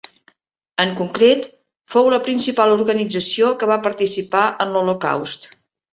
En concret, fou la principal organització que va participar en l'Holocaust.